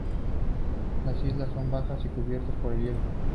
Las islas son bajas y cubiertas por el hielo.